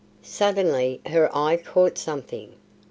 Suddenly her eye caught something.